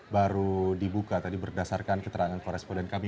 baru dibuka tadi berdasarkan keterangan koresponden kami